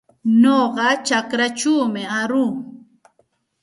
Nuqa chakraćhawmi aruu.